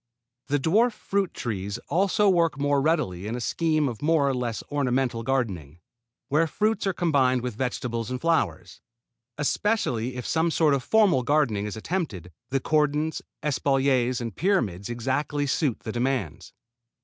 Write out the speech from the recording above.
The dwarf fruit trees also work more readily into a scheme of more or less ornamental gardening, where fruits are combined with vegetables and flowers. Especially if some sort of formal gardening is attempted, the cordons, espaliers and pyramids exactly suit the demands.